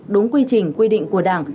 đúng quy trình quy định của đảng